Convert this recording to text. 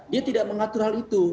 dia tidak mengatur hal itu